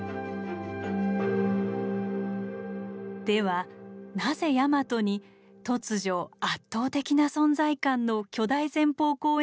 ではなぜヤマトに突如圧倒的な存在感の巨大前方後円墳が誕生したのか。